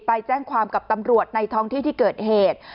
ไปแจ้งความกับตำรวจในท้องที่ที่เกิดเหตุ